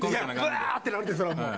うわーってなるってそれはもう。